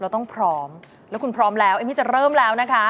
ต้องพร้อมแล้วคุณพร้อมแล้วเอมมี่จะเริ่มแล้วนะคะ